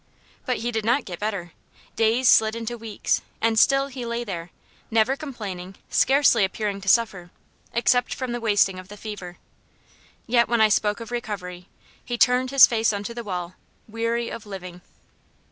But he did not get better. Days slid into weeks, and still he lay there, never complaining, scarcely appearing to suffer, except from the wasting of the fever; yet when I spoke of recovery he "turned his face unto the wall" weary of living.